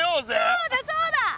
そうだそうだ。